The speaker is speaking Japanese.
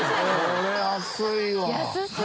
これ安いわ。